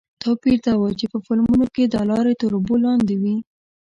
توپیر دا و چې په فلمونو کې دا لارې تر اوبو لاندې وې.